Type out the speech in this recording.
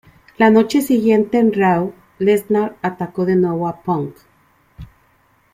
La noche siguiente en "Raw", Lesnar atacó de nuevo a Punk.